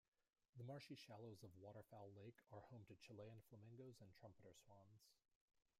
The marshy shallows of Waterfowl Lake are home to Chilean flamingos and trumpeter swans.